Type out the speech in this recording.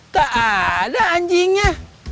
tak ada anjingnya